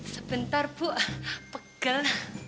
sebentar bu pegel